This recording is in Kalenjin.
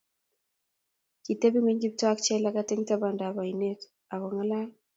kitebi ng'weny Kiptoo ak Jelagat eng tabandab oinet ak kong'alal